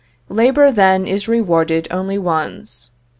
Labor, then, is rewarded only once.